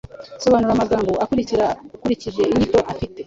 Sobanura amagambo akurikira ukurikije inyito afite